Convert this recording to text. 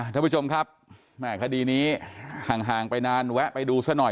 ท่านผู้ชมครับแม่คดีนี้ห่างไปนานแวะไปดูซะหน่อย